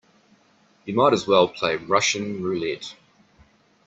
You might as well play Russian roulette.